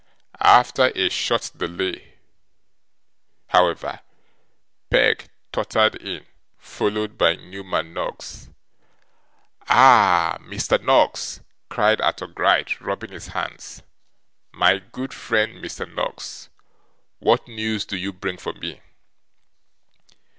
After a short delay, however, Peg tottered in, followed by Newman Noggs. 'Ah! Mr. Noggs!' cried Arthur Gride, rubbing his hands. 'My good friend, Mr. Noggs, what news do you bring for me?